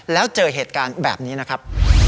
แล้วเจอเหตุการณ์แบบนี้นะครับ